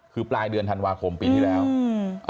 คือปลายเดือนธันวาคมปีที่แล้วอืม